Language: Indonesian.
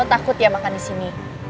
lo takut ya makan disini